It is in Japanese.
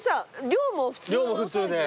量も普通で。